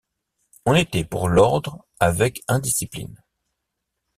On était pour l’ordre avec indiscipline.